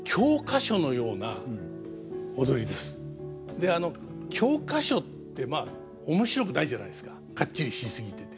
で教科書ってまあ面白くないじゃないですかかっちりし過ぎてて。